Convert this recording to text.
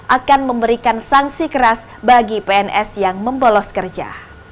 akan memberikan sanksi keras bagi pns yang membolos kerja